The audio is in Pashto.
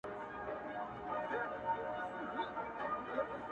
په سلايي باندي د تورو رنجو رنگ را واخلي ـ